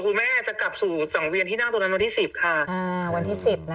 คุณแม่จะกลับสู่สังเวียนที่นั่งตรงนั้นวันที่สิบค่ะอ่าวันที่สิบนะคะ